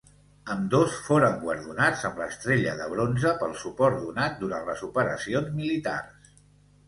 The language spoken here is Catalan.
Ambdós foren guardonats amb l'Estrella de Bronze pel suport donat durant les operacions militars.